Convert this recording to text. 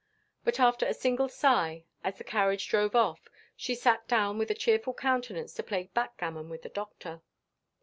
But after a single sigh, as the carriage drove off, she sat down with a cheerful countenance to play backgammon with the Doctor.